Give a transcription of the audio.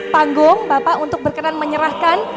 panggung bapak untuk berkenan menyerahkan